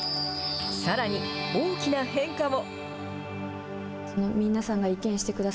さらに、大きな変化も。